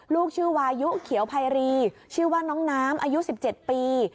ลูกชื่อวายุเขียวไพรีชื่อว่าน้องน้ำอายุ๑๗ปี